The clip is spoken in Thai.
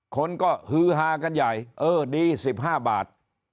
คนก็ฮือฮากันใหญ่เออดี๑๕บาท